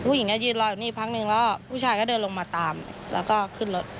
ผู้หญิงก็ยืนรออยู่นี่พักนึงแล้วผู้ชายก็เดินลงมาตามแล้วก็ขึ้นรถ